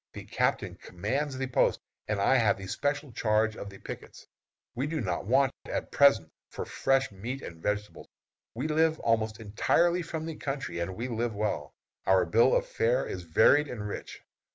The captain commands the post, and I have the special charge of the pickets. We do not want, at present, for fresh meat and vegetables. We live almost entirely from the country, and we live well. Our bill of fare is varied and rich.